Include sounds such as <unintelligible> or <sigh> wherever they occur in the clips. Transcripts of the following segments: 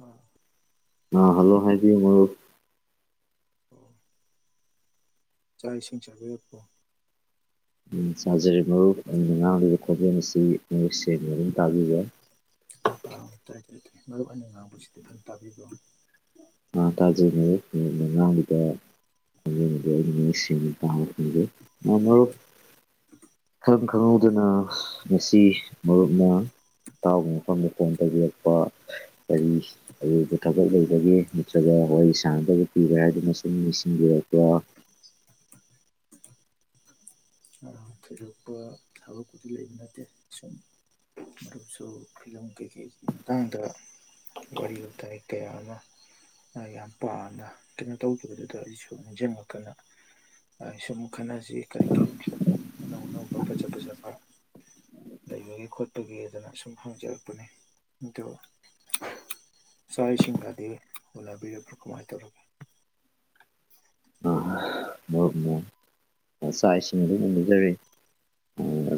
ꯎꯝ ꯑ ꯍꯜꯂꯣ ꯍꯥꯏꯗꯤ ꯃꯔꯨꯞ ꯑꯣ ꯆꯥꯛ ꯏꯁꯤꯡ ꯆꯥꯕꯤꯔꯛꯄꯣ ꯎꯝ ꯆꯥꯖꯔꯦ ꯃꯔꯨꯞ ꯑꯩꯅ ꯉꯥꯡꯂꯤꯕ ꯈꯣꯟꯖꯦꯜ ꯑꯁꯤ ꯃꯌꯦꯛ ꯁꯦꯡꯅ ꯑꯗꯨꯝ ꯇꯥꯕꯤꯕ꯭ꯔꯣ ꯑꯥ ꯇꯥꯏ ꯇꯥꯏ ꯇꯥꯏ ꯃꯔꯨꯞ ꯑꯩꯅ ꯉꯥꯡꯕꯁꯤꯗꯤ ꯐꯖꯅ ꯇꯥꯕꯤꯕ꯭ꯔꯣ ꯑ ꯇꯥꯖꯩ ꯃꯔꯨꯞ ꯃꯔꯨꯞꯅ ꯉꯥꯡꯂꯤꯕ <unintelligible> ꯃꯔꯨꯞ ꯏꯈꯪ ꯈꯪꯍꯧꯗꯅ ꯉꯁꯤ ꯃꯔꯨꯞꯅ ꯅꯇꯥꯎꯒꯤ ꯃꯐꯝꯗ ꯐꯣꯡ ꯇꯧꯕꯤꯔꯛꯄ ꯀꯔꯤ ꯑꯔꯨꯕ ꯊꯕꯛ ꯂꯩꯕꯒꯦ ꯅꯠꯇ꯭ꯔꯒ ꯋꯥꯔꯤ ꯁꯥꯟꯅꯗꯕ ꯀꯨꯏꯔꯦ ꯍꯥꯏꯗꯨꯅ ꯁꯨꯝ ꯃꯤꯁꯤꯡꯕꯤꯔꯛꯄ꯭ꯔꯥ ꯑ ꯊꯣꯏꯗꯣꯛꯄ ꯊꯕꯛꯄꯨꯗꯤ ꯂꯩꯕ ꯅꯠꯇꯦ ꯁꯨꯝ ꯃꯔꯨꯞꯁꯨ ꯐꯤꯂꯝ ꯀꯩꯀꯩꯒꯤ ꯃꯇꯥꯡꯗ ꯋꯥꯔꯤ ꯋꯥꯇꯥꯏ ꯀꯌꯥ ꯑꯃ ꯑ ꯌꯥꯝ ꯄꯥꯝꯅ ꯀꯩꯅꯣ ꯇꯧꯒꯤꯕꯗꯨꯗ ꯑꯩ ꯁꯨꯝ ꯅꯤꯡꯖꯤꯡꯉꯛꯇꯅ ꯑꯩ ꯁꯨꯝ ꯈꯟꯅꯁꯤ ꯀꯔꯤ ꯀꯔꯤ ꯐꯤꯂꯝ ꯑꯅꯧ ꯑꯅꯧꯕ ꯐꯖ ꯐꯖꯕ ꯂꯩꯕꯒꯤ ꯈꯣꯠꯄꯒꯤ ꯑꯗꯅ ꯁꯨꯝ ꯍꯪꯖꯔꯛꯄꯅꯦ ꯑꯗꯨ ꯆꯥꯛ ꯏꯁꯤꯡꯒꯗꯤ ꯎꯅꯕꯤꯔꯕ꯭ꯔꯣ ꯀꯃꯥꯏꯅ ꯇꯧꯔꯒꯦ ꯑꯣ ꯎꯝ ꯑꯥ ꯆꯥꯛ ꯏꯁꯤꯡꯗꯤ ꯎꯟꯅꯖꯔꯦ <unintelligible>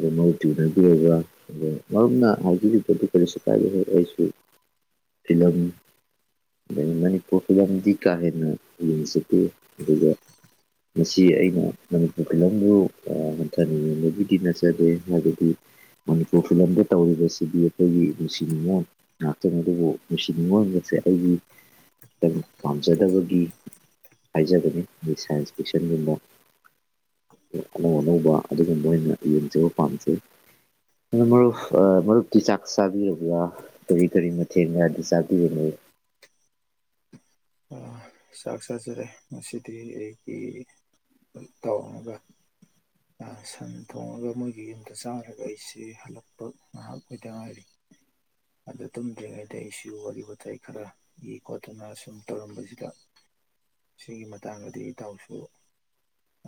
ꯑꯥ ꯅꯪꯅ ꯍꯥꯏꯕꯤꯔꯤꯗꯨꯗꯤ ꯀꯔꯤꯁꯨ ꯀꯥꯏꯗꯦꯍꯦ ꯑꯩꯁꯨ ꯐꯤꯂꯝ ꯑꯩ ꯃꯅꯤꯄꯨꯔ ꯐꯤꯂꯝꯗꯤ ꯀꯥ ꯍꯦꯟꯅ ꯌꯦꯡꯖꯗꯦ ꯑꯗꯨꯒ ꯃꯁꯤ ꯑꯩꯅ ꯃꯅꯤꯄꯨꯔ ꯐꯤꯂꯝꯕꯨ ꯑꯥ ꯍꯟꯊꯅ ꯌꯦꯡꯕꯒꯤꯗꯤ ꯅꯠꯆꯗꯦ ꯍꯥꯏꯕꯗꯤ ꯃꯅꯤꯄꯨꯔ ꯐꯤꯂꯝꯗ ꯇꯧꯔꯤꯕꯁꯤꯗꯤ ꯑꯩꯈꯣꯏꯒꯤ ꯅꯨꯡꯁꯤ ꯅꯨꯡꯉꯣꯟ ꯉꯥꯛꯇꯅꯤ ꯑꯗꯨꯕꯨ ꯅꯨꯡꯁꯤ ꯅꯨꯡꯉꯣꯟꯃꯛꯁꯦ ꯑꯩꯒꯤ ꯄꯥꯝꯖꯗꯕꯒꯤ ꯍꯥꯏꯖꯕꯅꯤ ꯁꯥꯏꯟꯁ ꯐꯤꯛꯁꯟꯒꯨꯝꯕ ꯑꯅꯧ ꯑꯅꯧꯕ ꯑꯗꯨꯒꯨꯝꯕ ꯑꯣꯢꯅ ꯌꯦꯡꯖꯩ ꯄꯥꯝꯖꯩ ꯑꯗꯣ ꯃꯔꯨꯞ ꯑꯥ ꯃꯔꯨꯞꯇꯤ ꯆꯥꯛ ꯆꯥꯕꯤꯔꯕ꯭ꯔꯥ ꯀꯔꯤ ꯀꯔꯤ ꯃꯊꯦꯡꯒꯗꯤ ꯆꯥꯕꯤꯔꯦ ꯑꯥ ꯆꯥꯛ ꯆꯥꯖꯔꯦ ꯉꯁꯤꯗꯤ ꯑꯩꯒꯤ ꯢꯇꯥꯎꯑꯃꯒ ꯑꯥ ꯁꯟ ꯊꯣꯡꯉꯒ ꯃꯣꯏꯒꯤ ꯌꯨꯝꯗ ꯆꯥꯔꯒ ꯑꯩꯁꯦ ꯍꯜꯂꯛꯄ ꯉꯥꯏꯍꯥꯛ ꯑꯣꯏꯗ ꯉꯥꯏꯔꯤ <inaudible> ꯑꯗꯨ ꯇꯨꯝꯗ꯭ꯔꯤꯉꯩꯗ ꯑꯩꯁꯨ ꯋꯥꯔꯤ ꯋꯥꯇꯥꯏ ꯈꯔ ꯏ ꯈꯣꯠꯇꯅ ꯁꯨꯝ ꯇꯧꯔꯝꯕꯁꯤꯗ ꯁꯤꯒꯤ ꯃꯇꯥꯡꯗꯗꯤ ꯏꯇꯥꯎꯁꯨ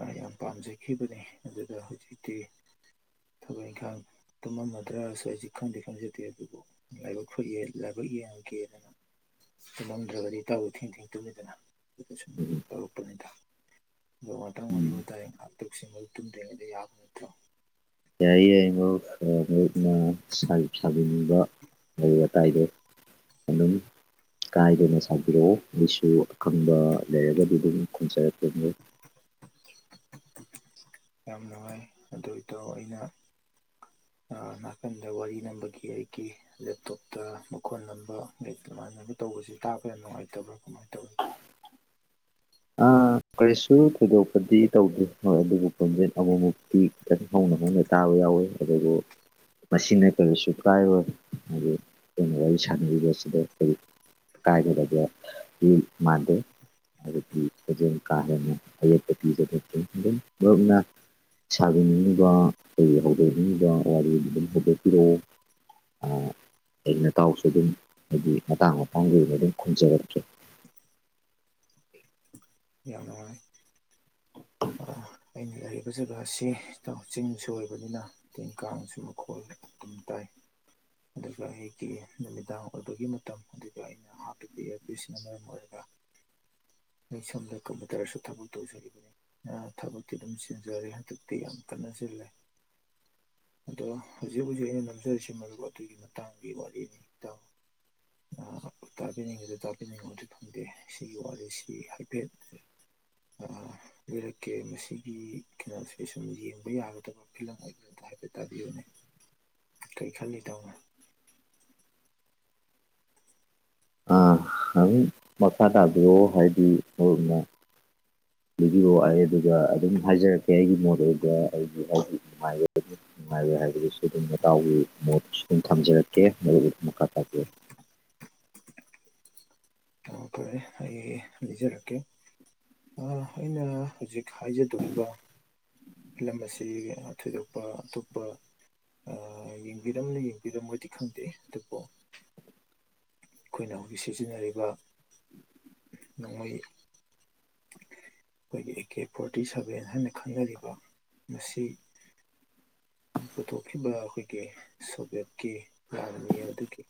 ꯑꯥ ꯌꯥꯝ ꯄꯥꯝꯖꯈꯤꯕꯅꯤ ꯑꯗꯨꯗ ꯍꯧꯖꯤꯛꯇꯤ ꯊꯕꯛ ꯏꯪꯈꯥꯡ ꯇꯨꯝꯃꯝꯃꯗ꯭ꯔꯁꯨ ꯑꯩꯁꯦ ꯈꯪꯗꯤ ꯈꯪꯖꯗꯦ ꯑꯗꯨꯕꯨ ꯂꯥꯏꯕꯛ ꯐꯩꯌꯦ ꯂꯥꯏꯕꯛ ꯌꯦꯡꯉꯒꯦꯗꯅ ꯇꯨꯝꯃꯝꯗ꯭ꯔꯒꯗꯤ ꯢꯇꯥꯎꯖꯨ ꯊꯦꯡ ꯊꯦꯡ ꯇꯨꯝꯃꯤꯗꯅ ꯑꯗꯨꯗ ꯁꯨꯝ ꯇꯧꯔꯛꯄꯅꯤꯗ ꯑꯗꯣ ꯉꯥꯛꯇꯪ ꯋꯥꯔꯤ ꯎꯝ ꯋꯥꯇꯥꯏ ꯉꯥꯛꯇꯛꯁꯤ ꯃꯗꯨ ꯇꯨꯝꯗ꯭ꯔꯤꯉꯩꯗ ꯌꯥꯕ ꯅꯠꯇ꯭ꯔꯣ ꯌꯥꯏꯌꯦ ꯌꯥꯢꯌꯦ ꯃꯔꯨꯞ <unintelligible> ꯑꯗꯨꯝ ꯀꯥꯏꯗꯅ ꯁꯥꯕꯤꯔꯛꯑꯣ ꯑꯩꯁꯨ ꯑꯈꯪꯕ ꯂꯩꯔꯒꯗꯤ ꯑꯗꯨꯝ ꯈꯨꯝꯖꯔꯛꯀꯅꯤ ꯌꯥꯝ ꯅꯨꯡꯉꯥꯏ ꯑꯗꯨ ꯢꯇꯥꯎ ꯑꯩꯅ ꯑꯥ ꯅꯥꯀꯟꯗ ꯋꯥꯔꯤ ꯅꯝꯕꯒꯤ ꯑꯩꯒꯤ ꯂꯦꯞꯇꯣꯞꯇ ꯃꯈꯣꯟ ꯅꯝꯕ ꯑꯩ ꯑꯗꯨꯃꯥꯏꯅꯒ ꯇꯧꯕꯁꯤ ꯇꯥꯕ ꯌꯥꯝ ꯅꯨꯡꯉꯥꯏꯇꯕ꯭ꯔꯥ ꯀꯃꯥꯏꯅ ꯇꯧꯋꯤ ꯑꯥ <inaudible> ꯀꯔꯤꯁꯨ ꯊꯣꯏꯗꯣꯛꯄꯗꯤ ꯇꯧꯗꯦ ꯍꯣꯏ ꯑꯗꯨꯕꯨ ꯃꯈꯣꯟꯖꯦ ꯑꯃꯨꯃꯨꯛꯇꯤ ꯈꯤꯇꯪ ꯍꯧꯅ ꯍꯧꯅ ꯇꯥꯕ ꯌꯥꯎꯋꯤ ꯑꯗꯨꯕꯨ ꯃꯁꯤꯅ ꯀꯔꯤꯁꯨ ꯀꯥꯏꯔꯣꯏ ꯍꯥꯏꯗꯤ ꯑꯈꯣꯏꯅ ꯋꯥꯔꯤ ꯁꯥꯟꯅꯔꯤꯕꯁꯤꯗ ꯀꯔꯤ ꯀꯥꯏꯗꯕꯗꯦ ꯃꯤ ꯃꯥꯟꯗꯦ ꯑꯗꯨꯝ ꯀꯥ ꯍꯦꯟꯅ ꯑꯌꯦꯠꯄ ꯄꯤꯕ ꯅꯠꯇꯦ ꯑꯗꯨꯝ ꯃꯔꯨꯞꯅ ꯁꯥꯕꯤꯅꯤꯡꯉꯤꯕ ꯑꯩ ꯍꯧꯗꯣꯛꯅꯤꯡꯉꯤꯕ ꯋꯥꯔꯤꯗꯨ ꯑꯗꯨꯝ ꯍꯧꯗꯣꯛꯄꯤꯔꯛꯑꯣ ꯑꯥ ꯑꯩ ꯅꯇꯥꯎꯁꯨ ꯑꯗꯨꯝ ꯍꯥꯏꯗꯤ ꯃꯇꯥꯡ ꯃꯇꯥꯡꯒꯤ ꯑꯣꯏꯅ ꯑꯗꯨꯝ ꯈꯨꯝꯖꯔꯛꯀꯦ ꯌꯥꯝ ꯅꯨꯡꯉꯥꯏ ꯑꯩꯅ ꯂꯩꯔꯤꯕ ꯖꯒꯥꯁꯤ ꯢꯇꯥꯎ ꯆꯤꯡꯁꯨ ꯑꯣꯏꯕꯅꯤꯅ ꯇꯤꯟ ꯀꯥꯡꯁꯨ ꯃꯈꯣꯜ ꯑꯗꯨꯝ ꯇꯥꯏ ꯑꯗꯨꯒ ꯑꯩꯒꯤ ꯅꯨꯃꯤꯗꯥꯡ ꯑꯣꯏꯕꯒꯤ ꯃꯇꯝ ꯑꯗꯨꯗ ꯑꯩ <unintelligible> ꯃꯔꯝ ꯑꯣꯢꯔꯒ ꯑꯩ ꯁꯣꯝꯗ ꯀꯝꯄꯨꯇ꯭ꯔꯁꯨ ꯊꯕꯛ ꯇꯧꯖꯕꯅꯦ ꯑꯥ ꯊꯕꯛꯇꯤ ꯑꯗꯨꯝ ꯅꯤꯟꯖꯔꯦ ꯍꯟꯗꯛꯇꯤ ꯌꯥꯝ ꯀꯟꯅ ꯆꯤꯜꯂꯦ ꯑꯗꯣ ꯍꯧꯖꯤꯛ ꯍꯧꯖꯤꯛ ꯑꯩꯅ ꯅꯝꯖꯔꯤꯁꯤ ꯃꯔꯨꯞ ꯑꯗꯨꯒꯤ ꯃꯇꯥꯡꯒꯤ ꯋꯥꯔꯤꯅꯤ ꯢꯇꯥꯎ ꯇꯥꯕꯤꯅꯤꯡꯉꯤꯗꯤ ꯇꯥꯕꯤꯅꯤꯡꯉꯨꯗꯤ ꯐꯪꯗꯦ ꯁꯤꯒꯤ ꯋꯥꯔꯤꯁꯤ ꯍꯥꯏꯐꯦꯠ ꯑ ꯂꯩꯔꯛꯀꯦ ꯃꯁꯤꯒꯤ ꯀꯩꯅꯣꯁꯦ ꯁꯨꯝ ꯌꯦꯡꯕ ꯌꯥꯒꯗꯕ ꯐꯤꯂꯝ ꯑꯣꯏꯕ ꯍꯥꯏꯐꯦꯠ ꯇꯥꯕꯤꯌꯨꯅꯦ ꯀꯩ ꯈꯜꯂꯤ ꯏꯇꯥꯎ ꯅꯪ ꯈꯪ ꯃꯈꯥ ꯇꯥꯕꯤꯑꯣ ꯍꯥꯏꯗꯤ ꯃꯔꯨꯞꯅ ꯂꯤꯕꯤꯑꯣ ꯑꯩ ꯑꯗꯨꯒ ꯑꯗꯨꯝ ꯍꯥꯏꯖꯔꯛꯀꯦ ꯑꯩꯒꯤ ꯃꯣꯠ ꯑꯣꯏꯕ ꯑꯩꯒꯤ ꯑꯩꯒꯤ ꯍꯥꯏꯗꯤ ꯅꯨꯡꯉꯥꯏꯔꯣꯏ ꯍꯥꯏꯕꯗꯨꯁꯨ ꯑꯗꯨꯝ ꯃꯇꯥꯎꯒꯤ ꯃꯣꯠꯇꯨꯁꯨ ꯑꯗꯨꯝ ꯊꯝꯖꯔꯛꯀꯦ ꯃꯗꯨꯕꯨ ꯃꯈꯥ ꯇꯥꯄꯤꯌꯨ ꯐꯔꯦ ꯑꯩ ꯂꯤꯖꯔꯛꯀꯦ ꯑꯩ ꯑꯩꯅ ꯍꯧꯖꯤꯛ ꯍꯥꯏꯖꯗꯣꯔꯤꯕ ꯐꯤꯂꯝ ꯑꯁꯤ ꯊꯣꯏꯗꯣꯛꯄ ꯑꯇꯣꯞꯄ ꯑ ꯌꯦꯡꯕꯤꯔꯝꯅꯤ ꯌꯦꯡꯕꯤꯔꯝꯃꯣꯏꯗꯤ ꯈꯪꯗꯦ ꯑꯗꯨꯕꯨ ꯑꯩꯈꯣꯏꯅ ꯍꯧꯖꯤꯛ ꯁꯤꯖꯤꯟꯅꯔꯤꯕ ꯅ‌ꯣꯡꯃꯩ ꯑꯩꯈꯣꯏꯒꯤ ꯑꯦ ꯀꯦ ꯐꯣꯔꯇꯤ ꯁꯚꯦꯟ ꯍꯥꯏꯅ ꯈꯪꯅꯔꯤꯕ ꯃꯁꯤ ꯄꯨꯊꯣꯛꯈꯤꯕ ꯑꯩꯈꯣꯏꯒꯤ ꯁꯣꯚꯌꯠꯀꯤ ꯂꯥꯟꯃꯤ ꯑꯗꯨꯒꯤ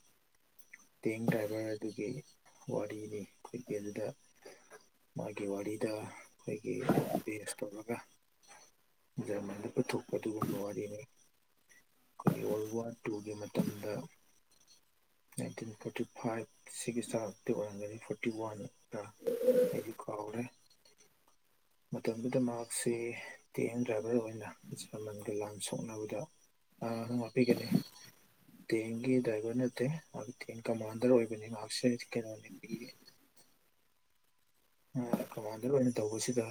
ꯇꯦꯡ ꯗ꯭ꯔꯥꯏꯚꯔ ꯑꯗꯨꯒꯤ ꯋꯥꯔꯤꯅꯤ ꯍꯧꯀꯤ ꯑꯗꯨꯗ ꯃꯥꯒꯤ ꯋꯥꯔꯤꯗ ꯑꯩꯈꯣꯏꯒꯤ ꯕꯦꯁ ꯇꯧꯔꯒ ꯖꯔꯃꯟꯗ ꯄꯨꯊꯣꯛꯄ ꯑꯗꯨꯒꯨꯝꯕ ꯋꯥꯔꯤꯅꯤ ꯑꯩꯈꯣꯏꯒꯤ ꯋꯥꯜ ꯋꯥꯔ ꯇꯨꯒꯤ ꯃꯇꯝꯗ ꯅꯥꯏꯟꯇꯤꯟ ꯐꯣꯔꯇꯤ ꯐꯥꯏꯚ ꯁꯤꯒꯤ ꯆꯥꯡꯗꯤ ꯑꯣꯏꯔꯝꯒꯅꯤ ꯐꯣꯔꯇꯤ ꯋꯥꯟꯛꯇ ꯑꯩꯗꯤ ꯀꯥꯎꯔꯦ ꯃꯇꯝꯗꯨꯗ ꯃꯍꯥꯛꯁꯤ ꯇꯦꯡꯗ꯭ꯔꯥꯏꯚꯔ ꯑꯣꯏꯅ ꯖꯔꯃꯟꯒ ꯂꯥꯟ ꯁꯣꯛꯅꯕꯗ ꯑꯔꯥꯟꯕ ꯉꯥꯛꯄꯤꯒꯅꯤ ꯇꯦꯡꯒꯤ ꯗ꯭ꯔꯥꯏꯚꯔ ꯅꯠꯇꯦ ꯃꯍꯥꯛ ꯇꯦꯡ ꯀꯃꯥꯟꯗꯔ ꯑꯣꯏꯕꯅꯤ ꯃꯍꯥꯛꯁꯦ ꯀꯩꯅꯣꯅꯤ ꯒꯤ ꯑ ꯀꯃꯥꯟꯗꯔ ꯑꯣꯏꯅ ꯇꯧꯕꯁꯤꯗ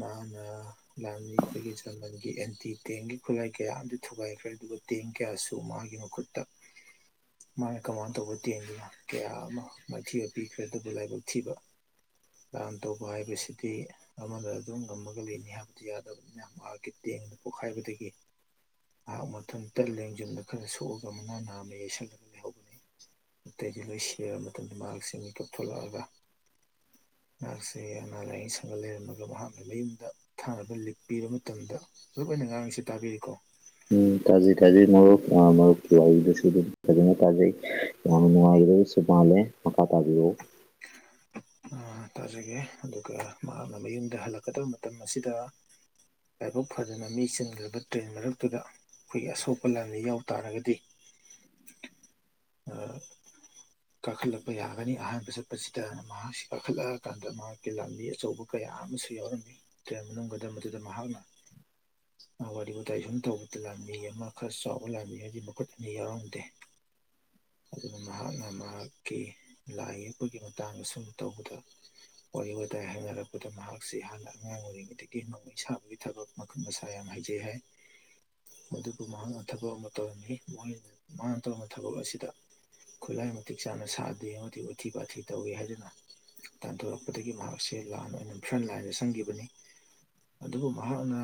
ꯃꯍꯥꯛꯅ ꯂꯥꯟꯃꯤ ꯑꯩꯈꯣꯏꯒꯤ ꯖꯔꯃꯟꯒꯤ ꯑꯦꯟꯇꯤ ꯇꯦꯡꯒꯤ ꯈꯨꯠꯂꯥꯏ ꯀꯌꯥ ꯑꯃꯗꯤ ꯊꯨꯒꯥꯏꯈ꯭ꯔꯦ ꯑꯗꯨꯒ ꯇꯦꯡ ꯀꯌꯥꯁꯨ ꯃꯥꯒꯤ ꯃꯈꯨꯠꯇ ꯃꯥꯅ ꯀꯃꯥꯟꯅ ꯇꯧꯕ ꯇꯦꯡ ꯂꯥꯈ ꯀꯌꯥ ꯑꯃ ꯃꯥꯏꯊꯤꯕ ꯄꯤꯈ꯭ꯔꯦ ꯑꯗꯨꯕꯨ ꯂꯥꯏꯕꯛ ꯊꯤꯕ ꯂꯥꯟ ꯇꯧꯕ ꯍꯥꯏꯕꯁꯤꯗꯤ ꯑꯃꯗ ꯑꯗꯨꯝ ꯉꯝꯃꯒ ꯂꯩꯅꯤ ꯍꯥꯏꯕꯗꯤ ꯌꯥꯗꯕꯅꯤꯅ ꯃꯥꯍꯥꯛꯀꯤ ꯇꯦꯡ ꯄꯣꯛꯈꯥꯏꯕꯗꯒꯤ ꯃꯍꯥꯛ ꯃꯊꯟꯇ ꯂꯦꯡꯖꯨꯝꯗ ꯈꯔ ꯁꯣꯛꯑꯒ ꯑꯃꯅꯥ ꯅꯥꯝ ꯑꯃ ꯌꯩꯁꯜꯂꯒ ꯂꯩꯍꯧꯕꯅꯤ ꯑꯇꯩꯗꯤ ꯂꯣꯏ ꯁꯤꯔꯕ ꯃꯇꯝꯗ ꯃꯍꯥꯛꯁꯤ ꯃꯤꯀꯥꯞꯊ‌ꯣꯂꯛꯑꯒ ꯃꯍꯥꯛꯁꯦ ꯑꯅꯥ ꯂꯥꯏꯌꯦꯡ ꯁꯪꯔꯝꯃꯒ ꯃꯍꯥꯛꯅ ꯃꯌꯨꯝꯗ ꯊꯥꯅꯕ ꯂꯤꯞ ꯄꯤꯕ ꯃꯇꯝꯗ ꯃꯔꯨꯞ ꯑꯩꯅ ꯉꯥꯡꯉꯤꯁꯤ ꯇꯥꯕꯤꯔꯤꯀꯣ ꯎꯝ ꯇꯥꯖꯩ ꯇꯥꯖꯩ ꯃꯔꯨꯞ ꯑ ꯃꯔꯨꯞꯀꯤ ꯋꯥꯔꯤꯗꯨꯁꯨ ꯑꯗꯨꯝ ꯐꯖꯅ ꯇꯖꯩ ꯌꯥꯝꯅ ꯅꯨꯡꯉꯥꯏꯒꯗꯁꯨ ꯃꯥꯜꯂꯦ ꯃꯈꯥ ꯇꯥꯕꯤꯔꯛꯎ ꯑ‌ ꯇꯥꯖꯒꯦ ꯑꯗꯨꯒ ꯃꯍꯥꯛꯅ ꯃꯌꯨꯝꯗ ꯍꯜꯂꯛꯀꯗꯕ ꯃꯇꯝ ꯑꯁꯤꯗ ꯂꯥꯏꯕꯛ ꯐꯗꯅ ꯃꯤ ꯆꯤꯟꯈ꯭ꯔꯕ ꯇ꯭ꯔꯦꯟ ꯃꯔꯛꯇꯨꯗ ꯑꯩꯈꯣꯏꯒꯤ ꯑꯁꯣꯛꯄ ꯂꯥꯟꯗ ꯌꯥꯎ ꯇꯥꯔꯒꯗꯤ ꯀꯥꯈꯠꯂꯛꯄ ꯌꯥꯒꯅꯤ ꯑꯍꯥꯟꯕ ꯆꯠꯄꯁꯤ ꯇꯥ ꯃꯍꯥꯛꯁꯤ ꯀꯥꯈꯠꯂꯛꯑꯀꯥꯟꯗ ꯃꯍꯥꯛꯀꯤ ꯂꯥꯟꯃꯤ ꯑꯆꯧꯕ ꯀꯌꯥ ꯑꯃꯁꯨ ꯌꯥꯎꯔꯝꯃꯤ ꯀ‌ꯦꯝ ꯃꯅꯨꯡꯒꯗꯨꯗ ꯃꯍꯥꯛꯅ ꯋꯥꯔꯤ ꯋꯥꯇꯥꯏ ꯑ ꯁꯨꯝ ꯇꯧꯕꯗ ꯂꯥꯟꯃꯤ ꯑꯃ ꯈꯔ ꯆꯥꯎꯕ ꯂꯥꯟꯃꯤ ꯑꯃꯒꯤ ꯃꯈꯨꯠ ꯑꯅꯤ ꯌꯥꯎꯔꯝꯗꯦ ꯑꯗꯨꯅ ꯃꯍꯥꯛꯅ ꯃꯍꯥꯛꯀꯤ ꯂꯥꯏ ꯌꯦꯛꯄꯒꯤ ꯃꯇꯥꯡ ꯑꯁꯨꯝ ꯇꯧꯕꯗ ꯋꯥꯔꯤ ꯋꯥꯇꯥꯏ ꯍꯥꯏꯅꯔꯛꯄꯗ ꯃꯍꯥꯛꯁꯤ ꯍꯥꯟꯅ ꯑꯉꯥꯡ ꯑꯣꯏꯔꯤꯉꯩꯗꯒꯤ ꯅꯣꯡꯃꯩ ꯁꯥꯕꯒꯤ ꯊꯕꯛ ꯃꯈꯨꯠ ꯃꯁꯥ ꯌꯥꯝ ꯍꯩꯖꯩ ꯍꯥꯏ ꯑꯗꯨꯗꯨꯕꯨ ꯃꯍꯥꯛꯅ ꯊꯕꯛ ꯑꯃ ꯇꯧꯔꯝꯃꯤ ꯃꯣꯏꯟ ꯃꯍꯥꯛꯅ ꯇꯧꯔꯝꯕ ꯊꯕꯛ ꯑꯁꯤꯗ ꯈꯨꯠꯂꯥꯏ ꯃꯇꯤꯛ ꯆꯥꯅ ꯁꯥꯗꯦ ꯑꯃꯗꯤ ꯑꯩꯊꯤ ꯄꯥꯊꯤ ꯇꯧꯏ ꯍꯥꯏꯗꯨꯅ ꯇꯥꯟꯊꯣꯔꯛꯄꯗꯒꯤ ꯃꯍꯥꯛꯁꯦ ꯂꯥꯟ ꯑꯣꯏꯅ ꯐ꯭ꯔꯟꯂꯥꯏꯟꯗ ꯆꯪꯈꯤꯕꯅꯤ ꯑꯗꯨꯕꯨ ꯃꯍꯥꯛꯅ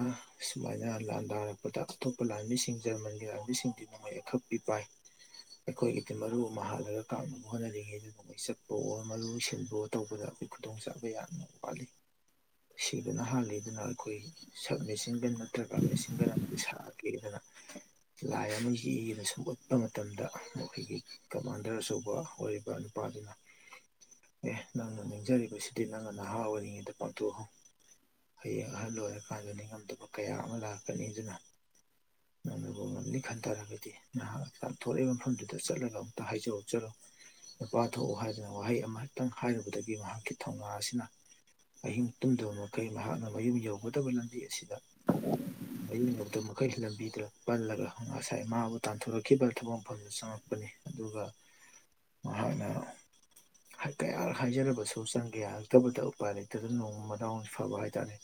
ꯁꯨꯃꯥꯏꯅ ꯂꯥꯟꯗꯥꯔꯛꯄꯗ ꯑꯇꯣꯞꯄ ꯂꯥꯟꯃꯤꯁꯤꯡ ꯖꯔꯃꯟꯒꯤ ꯂꯥꯟꯃꯤꯁꯤꯡꯗꯤ ꯅ‌ꯣꯡꯃꯩ ꯑꯈꯞꯄꯤ ꯄꯥꯏ ꯑꯩꯈꯣꯏꯒꯤꯗꯤ ꯃꯔꯨ ꯑꯃ ꯍꯥꯜꯂꯒ ꯀꯥꯞꯅꯕ ꯍꯣꯠꯅꯔꯤꯉꯦꯗ ꯅꯣꯡꯃꯩ ꯆꯞꯄ ꯑꯣ ꯃꯔꯨꯁꯤꯞꯕꯋ‌ꯣ ꯇꯧꯕꯗ ꯈꯨꯗꯣꯡ ꯆꯥꯕ ꯌꯥꯝꯅ ꯋꯥꯠꯂꯤ ꯁꯤꯕꯅ ꯍꯥꯜꯂꯤ ꯑꯗꯨꯅ ꯑꯩꯈꯣꯏ ꯁꯛ ꯃꯦꯁꯤꯟꯒꯟ ꯅꯠꯇ꯭ꯔꯒ ꯃꯦꯁꯤꯟꯒꯟ ꯑꯃꯗꯤ ꯁꯥꯒꯦꯗꯅ ꯂꯥꯏ ꯑꯃ ꯌꯦꯛꯑꯒ ꯁꯨꯝ ꯎꯠꯄ ꯃꯇꯝꯗ ꯑꯩꯈꯣꯏꯒꯤ ꯀꯃꯥꯟꯗꯔ ꯑꯆꯧꯕ ꯑꯣꯏꯔꯤꯕ ꯅꯨꯄꯥꯗꯨꯅ ꯑꯦ ꯅꯪꯅ ꯅꯤꯡꯖꯔꯤꯕꯁꯤꯗꯤ ꯅꯪꯅ ꯅꯍꯥ ꯑꯣꯏꯔꯤꯉꯩꯗ ꯄꯥꯡꯊꯣꯛꯍꯧ ꯍꯌꯦꯡ ꯑꯍꯜ ꯑꯣꯏꯔꯀꯥꯟꯗ ꯅꯤꯡꯉꯝꯗꯕ ꯀꯌꯥ ꯑꯃ ꯂꯥꯛꯀꯅꯤ ꯑꯗꯨꯅ ꯅꯪꯅꯕꯨ ꯉꯝꯅꯤ ꯈꯟ ꯇꯥꯔꯒꯗꯤ ꯅꯍꯥꯛ ꯇꯝꯊꯣꯔꯂꯛꯏꯕ ꯃꯐꯝꯗꯨ ꯗ ꯆꯠꯂꯒ ꯑꯃꯇ ꯍꯥꯏꯖꯧ ꯆꯠꯂꯣ ꯅꯨꯄꯥ ꯊꯣꯛꯎ ꯍꯥꯏꯗꯅ ꯋꯥꯍꯩ ꯑꯃꯍꯛꯇꯪ ꯍꯥꯏꯔꯨꯕꯗꯒꯤ ꯃꯍꯥꯛꯀꯤ ꯊꯧꯅꯥ ꯑꯁꯤꯅ ꯑꯍꯤꯡ ꯇꯨꯝꯗꯕ ꯃꯈꯩ ꯃꯍꯥꯛꯅ ꯃꯌꯨꯝ ꯌꯧꯒꯗꯕ ꯂꯝꯕꯤ ꯑꯁꯤꯗ ꯃꯌꯨꯝ ꯌꯧꯗꯕꯃꯈꯩ ꯂꯝꯕꯤꯗ ꯄꯜꯂꯒ ꯉꯁꯥꯏ ꯃꯥꯕꯨ ꯇꯥꯟꯊꯣꯔꯛꯈꯤꯕ ꯊꯕꯛ ꯃꯐꯝꯗꯨ ꯆꯉꯛ ꯄꯅꯤ ꯑꯗꯨꯒ ꯃꯍꯥꯛꯅ ꯍꯥꯏ ꯀꯌꯥꯔꯛ ꯍꯥꯏꯖꯔꯕꯁꯨ ꯆꯪꯒꯦ ꯌꯥꯔꯛꯇꯕꯗ ꯎꯄꯥꯏ ꯂꯩꯇꯗꯨꯅ ꯅꯣꯡꯃ ꯃꯗꯥꯎꯅ ꯐꯕ ꯍꯥꯏꯇꯥꯥꯔꯦ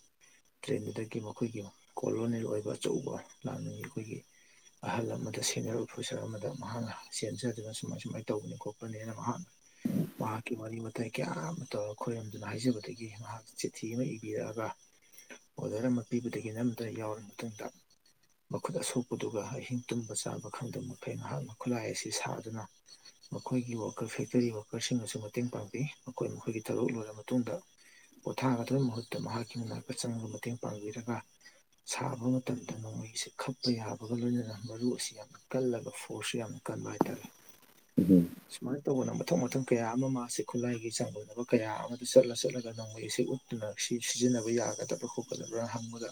ꯇ꯭ꯔꯦꯟꯗꯨꯗꯒꯤ ꯃꯈꯣꯏꯒꯤ ꯀꯣꯂꯣꯅꯦꯜ ꯑꯣꯏꯕ ꯑꯆꯧꯕ ꯂꯥꯟꯃꯤ ꯑꯩꯈꯣꯏꯒꯤ ꯑꯍꯜ ꯑꯃꯗ ꯁꯦꯅꯤꯌꯔ ꯑꯣꯐꯤꯁꯥꯔ ꯑꯃꯗ ꯃꯍꯥꯛꯅ ꯆꯦꯟꯖꯗꯨꯅ ꯁꯨꯃꯥꯏ ꯁꯨꯃꯥꯏꯅ ꯇꯧꯕꯅꯤ ꯈꯣꯠꯄꯅꯦꯅ ꯃꯍꯥꯛꯅ ꯃꯍꯥꯛꯀꯤ ꯋꯥꯔꯤ ꯋꯥꯇꯥꯏ ꯀꯌꯥ ꯑꯃ ꯇꯧꯔꯒ ꯈꯣꯏꯔꯝꯗꯨꯅ ꯍꯥꯏꯖꯕꯗꯒꯤ ꯃꯍꯥꯛ ꯆꯤꯊꯤ ꯑꯃ ꯏꯕꯤꯔꯛꯑꯒ ꯑꯣꯔꯗꯔ ꯑꯃ ꯄꯤꯕꯗꯒꯤ ꯅꯝꯗꯨꯅ ꯌꯥꯎꯔꯕ ꯃꯇꯨꯡꯗ ꯃꯈꯨꯠ ꯑꯁꯣꯛꯄꯗꯨꯒ ꯑꯍꯤꯡ ꯇꯨꯝꯕ ꯆꯥꯕ ꯈꯪꯗꯕ ꯃꯈꯩ ꯉꯍꯥꯛꯅ ꯈꯨꯠꯂꯥꯏ ꯑꯁꯤ ꯁꯥꯗꯨꯅ ꯃꯈꯣꯏꯒꯤ ꯋꯥꯀꯔ ꯐꯦꯛꯇꯔꯤ ꯋꯥꯀꯔꯁꯤꯡꯅꯁꯨ ꯃꯇꯦꯡ ꯄꯥꯡꯕꯤ ꯃꯈꯣꯏ ꯃꯈꯣꯏꯒꯤ ꯊꯕꯛ ꯂꯣꯏꯔꯕ ꯃꯇꯨꯡꯗ ꯄꯣꯠꯊꯥꯒꯗꯕꯒꯤ ꯃꯍꯨꯠꯇ ꯃꯍꯥꯛꯀꯤ ꯃꯅꯥꯛꯇ ꯆꯪꯉꯒ ꯃꯇꯦꯡ ꯄꯥꯡꯕꯤꯔꯒ ꯁꯥꯕ ꯃꯇꯝꯗ ꯅꯣꯡꯃꯩꯁꯦ ꯈꯛꯄ ꯌꯥꯕꯒ ꯂꯣꯏꯅꯅ ꯃꯔꯨ ꯑꯁꯤ ꯌꯥꯝ ꯀꯜꯂꯒ ꯐꯣꯔꯁꯁꯨ ꯌꯥꯝ ꯀꯟꯕ ꯍꯥꯏꯇꯥꯔꯦ ꯎꯝ ꯁꯨꯃꯥꯏꯟ ꯇꯧꯗꯅ ꯃꯊꯪ ꯃꯊꯪ ꯀꯌꯥ ꯑꯃ ꯃꯥꯁꯦ ꯈꯨꯠꯂꯥꯏꯒꯤ ꯆꯥꯡꯗꯝꯅꯕ ꯀꯌꯥ ꯑꯃꯗ ꯆꯠꯂ ꯆꯠꯂꯒ ꯅꯣꯡꯃꯩ ꯑꯁꯤ ꯎ ꯗꯨꯅ ꯁꯤ ꯁꯤꯖꯤꯟꯅꯕ ꯌꯥꯒꯗꯕꯥ ꯈꯣꯠꯀꯗꯕ꯭ꯔꯥ ꯍꯪꯕꯗ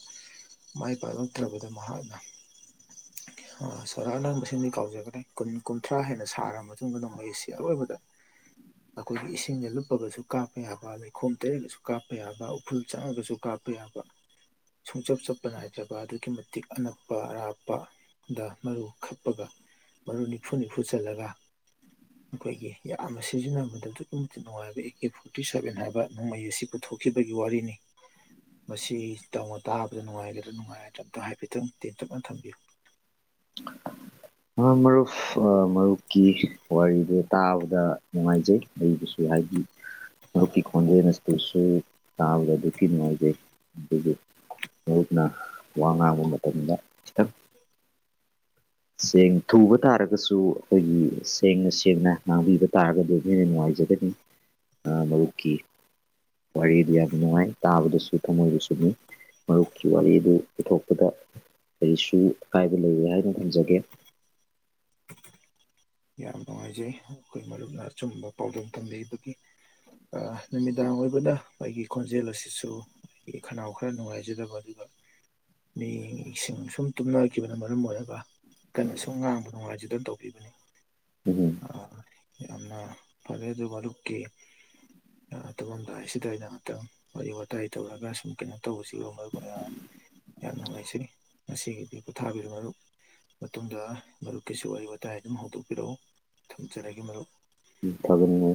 ꯃꯥꯏ ꯄꯥꯛꯂꯛꯇ꯭ꯔꯕꯗ ꯃꯍꯥꯛꯅ <unintelligible> ꯃꯁꯤꯡꯗꯤ ꯀꯥꯎꯖꯒꯅꯤ ꯀꯨꯟ ꯀꯨꯟꯊ꯭ꯔꯥ ꯍꯦꯟꯅ ꯁꯥꯔꯕ ꯃꯇꯨꯡꯗ ꯅꯣꯝꯃꯩꯁꯤ ꯑꯔꯣꯏꯕꯗ ꯑꯈꯣꯏꯒꯤ ꯏꯁꯤꯡꯅ ꯂꯨꯞꯄꯒꯁꯨ ꯀꯥꯞꯄ ꯌꯥꯕ ꯂꯩꯈꯣꯝ ꯇꯩꯔꯒꯁꯨ ꯀꯥꯞꯄ ꯌꯥꯕ ꯎꯐꯨꯜ ꯆꯪꯉꯒꯁꯨ ꯀꯥꯞꯄ ꯄ ꯌꯥꯕ ꯁꯨꯡꯆꯞ ꯆꯞꯄ ꯅꯥꯏꯗ꯭ꯔꯕ ꯑꯗꯨꯛꯀꯤ ꯃꯇꯤꯛ ꯑꯅꯛꯄ ꯑꯔꯥꯞꯄ ꯗ ꯃꯔꯨ ꯈꯛꯄꯒ ꯃꯔꯨ ꯅꯤꯐꯨ ꯅꯤꯐꯨ ꯆꯜꯂꯒ ꯑꯈꯣꯏꯒꯤ ꯌꯥꯝꯅ ꯁꯤꯖꯤꯟꯅꯕꯗ ꯑꯗꯨꯛꯀꯤ ꯃꯇꯤꯛ ꯅꯨꯡꯉꯥꯏꯕ ꯑꯦ ꯀꯦ ꯐꯣꯔꯇꯤ ꯁꯕꯦꯟ ꯍꯥꯏꯕ ꯅꯣꯡꯃꯩ ꯑꯁꯤ ꯄꯨꯊꯣꯛꯈꯤꯕꯒꯤ ꯋꯥꯔꯤꯅꯤ ꯃꯁꯤ ꯇꯧꯅ ꯇꯥꯕꯗ ꯅꯨꯡꯉꯥꯏꯒꯗ꯭ꯔꯥ ꯅꯨꯡꯉꯥꯏꯔꯣꯏꯗ꯭ꯔꯥ ꯑꯝꯇꯪ ꯍꯥꯏꯐꯦꯠꯇꯪ ꯇꯦꯟꯇꯛꯅ ꯊꯝꯕꯤꯌꯨ <inaudible> ꯃ ꯃꯔꯨꯞ ꯃꯔꯨꯞꯀꯤ ꯋꯥꯔꯤꯗꯨ ꯇꯥꯕꯗ ꯅꯨꯡꯉꯥꯏꯖꯩ <unintelligible> ꯍꯥꯏꯗꯤ ꯃꯔꯨꯞꯀꯤ ꯈꯣꯟꯖꯦꯜ ꯑꯁꯤꯁꯨ ꯇꯥꯕꯗ ꯑꯗꯨꯛꯀꯤ ꯅꯨꯡꯉꯥꯏꯖꯩ ꯑꯗꯨꯕꯨ ꯃꯔꯨꯞꯅ ꯋꯥ ꯉꯥꯡꯕ ꯃꯇꯝꯗ ꯆꯦꯡ ꯊꯨꯕ ꯇꯥꯔꯒꯁꯨ ꯑꯩꯈꯣꯏꯒꯤ ꯁꯦꯡꯅ ꯁꯦꯡꯅ ꯉꯥꯡꯕꯤꯕ ꯇꯥꯔꯒꯗꯤ ꯑꯗꯨ ꯍꯦꯟꯅ ꯅꯨꯡꯉꯥꯏꯖꯩ <inaudible> <unintelligible> ꯋꯥꯔꯤꯗꯤ ꯌꯥꯝ ꯅꯨꯡꯉꯥꯏ ꯇꯥꯕꯗꯁꯨ ꯊꯝꯃꯣꯏꯕꯨ ꯁꯨꯨꯝꯃꯤ ꯃꯔꯨꯞꯀꯤ ꯋꯥꯔꯤ ꯑꯗꯨ ꯄꯨꯊꯣꯛꯄꯗ ꯀꯔꯤꯁꯨ ꯑꯀꯥꯏꯕ ꯂꯩꯔꯦꯏ ꯍꯥꯏꯅ ꯊꯝꯖꯒꯦ <inaudible> ꯌꯥꯝ ꯅꯨꯡꯉꯥꯏꯖꯩ ꯑꯩꯈꯣꯏ ꯃꯔꯨꯞꯅ ꯑꯆꯨꯝꯕ ꯄꯥꯎꯗꯝ ꯊꯝꯕꯤꯕꯒꯤ ꯅꯨꯃꯤꯗꯥꯡ ꯑꯣꯏꯕꯅ ꯑꯩꯒꯤ ꯈꯣꯟꯖꯦꯜ ꯑꯁꯤꯁꯨ ꯑꯩꯒꯤ ꯈꯅꯥꯎ ꯈꯔ ꯅꯨꯡꯉꯥꯏꯖꯗꯕ ꯑꯗꯨꯒ ꯃꯤꯁꯤꯡ ꯁꯨꯝ ꯇꯨꯝꯅꯈꯤꯕꯅ ꯃꯔꯝ ꯑꯣꯏꯔꯒ ꯀꯟꯅ ꯁꯨꯝ ꯉꯥꯡꯕ ꯅꯨꯡꯉꯥꯏꯖꯗ ꯇꯧꯕꯤꯕꯅꯤ ꯎꯝ ꯑ ꯌꯥꯝꯅ ꯐꯔꯦ ꯑꯗꯨ ꯃꯔꯨꯞꯀꯤ ꯇꯨꯃꯥꯝꯗꯥꯏꯁꯤꯗ ꯑꯩꯅ ꯉꯥꯏꯍꯥꯛꯇꯪ ꯋꯥꯔꯤ ꯋꯥꯇꯥꯏ ꯇꯧꯔꯒ ꯁꯨꯝ ꯀꯩꯅꯣ ꯇꯧꯕꯁꯤꯒꯨꯝꯕ ꯑꯣꯏꯅ ꯌꯥꯝ ꯅꯨꯡꯉꯥꯏꯖꯩ ꯉꯁꯤꯒꯤꯗꯤ ꯄꯣꯊꯥꯕꯤꯔꯣ ꯃꯔꯨꯞ ꯃꯇꯨꯡꯗ ꯃꯔꯨꯞꯀꯤꯁꯨ ꯋꯥꯔꯤ ꯋꯥꯇꯥꯏ ꯑꯗꯨꯝ ꯍꯧꯗꯣꯛꯄꯤꯔꯛꯎ ꯊꯝꯖꯔꯒꯦ ꯃꯔꯨꯞ ꯐꯒꯅꯤ